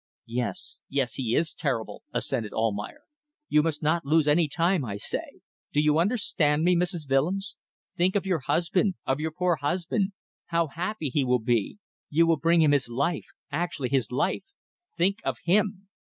"Yes. Yes! He is terrible," assented Almayer. "You must not lose any time. I say! Do you understand me, Mrs. Willems? Think of your husband. Of your poor husband. How happy he will be. You will bring him his life actually his life. Think of him."